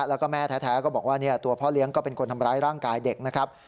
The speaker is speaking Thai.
แล้วก็แม่แท้ก็บอกว่าตัวพ่อเลี้ยงก็เป็นคนทำร้ายร่างกายเด็กนะครับ